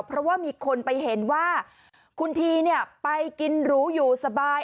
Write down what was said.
เพราะว่ามีคนไปเห็นว่าคุณทีไปกินหรูอยู่สบาย